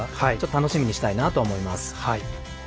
楽しみにしたいなと思います。